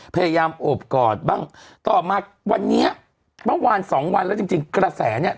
พยายามโอบกอดบ้างต่อมาวันนี้เมื่อวานสองวันแล้วจริงจริงกระแสเนี่ย